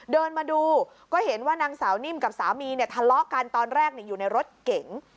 เดินมาดูก็เห็นว่านางสาวนิ่มกับสามีเนี่ยทะเลาะกันตอนแรกอยู่ในรถเก๋ง